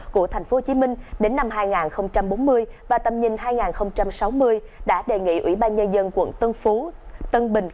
năm hai nghìn bốn mươi và tầm nhìn hai nghìn sáu mươi đã đề nghị ủy ban nhân dân quận tân phú tân bình